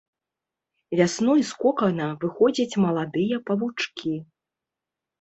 Вясной з кокана выходзяць маладыя павучкі.